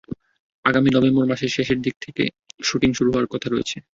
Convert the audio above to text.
আগামী নভেম্বর মাসের শেষের দিক থেকে শুটিং শুরু হওয়ার কথা রয়েছে।